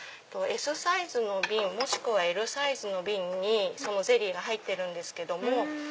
Ｓサイズの瓶もしくはＬサイズの瓶にそのゼリーが入ってるんですけども。